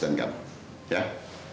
terima kasih pak